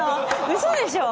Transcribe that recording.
嘘でしょ！